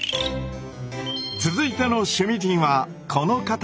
続いての趣味人はこの方！